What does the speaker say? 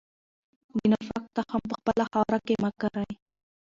د نفاق تخم په خپله خاوره کې مه کرئ.